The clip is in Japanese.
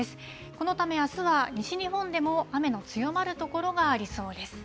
このためあすは西日本でも雨の強まる所がありそうです。